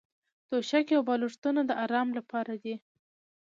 توشکې او بالښتونه د ارام لپاره دي.